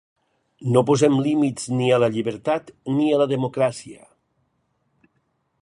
No posem límits ni a la llibertat ni a la democràcia.